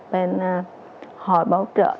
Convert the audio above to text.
bên hội bảo trợ